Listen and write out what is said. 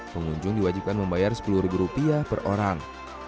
pengunjung diwajibkan membayar sepuluh ribu rupiah per orang